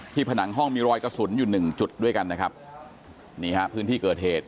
ผนังห้องมีรอยกระสุนอยู่หนึ่งจุดด้วยกันนะครับนี่ฮะพื้นที่เกิดเหตุ